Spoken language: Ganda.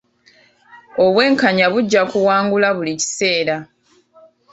Obwenkanya bujja kuwangula buli kiseera.